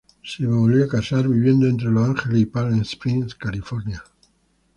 Se volvió a casar viviendo entre Los Ángeles y Palm Springs, California.